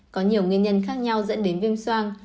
có nhiều nguyên nhân khác nhau dẫn đến viêm soang